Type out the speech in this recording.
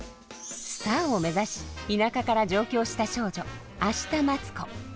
スターを目指し田舎から上京した少女明日待子。